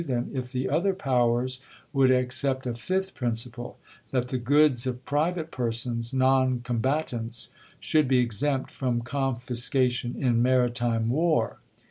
them if the other powers would accept a fifth prin ciple— that the goods of private persons, non com batants, should be exempt from confiscation in maritime war.